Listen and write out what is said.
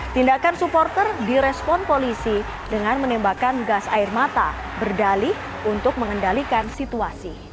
tindakan supporter direspon polisi dengan menembakkan gas air mata berdali untuk mengendalikan situasi